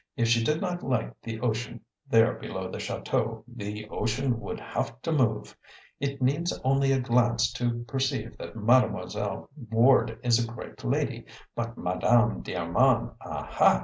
If she did not like the ocean there below the chateau, the ocean would have to move! It needs only a glance to perceive that Mademoiselle Ward is a great lady but MADAME D'ARMAND! AHA!"